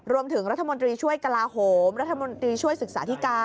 รวมถึงรัฐมนตรีช่วยกลาโหมรัฐมนตรีช่วยศึกษาธิการ